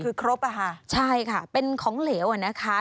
คือครบอะค่ะใช่ค่ะเป็นของเหลวอ่ะนะคะ